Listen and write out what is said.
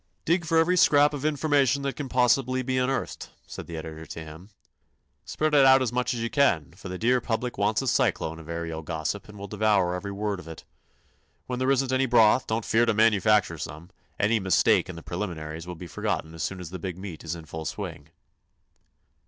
"Dig for every scrap of information that can possibly be unearthed," said the editor to him. "Spread it out as much as you can, for the dear public wants a cyclone of aërial gossip and will devour every word of it. When there isn't any broth don't fear to manufacture some; any 'mistake' in the preliminaries will be forgotten as soon as the big meet is in full swing."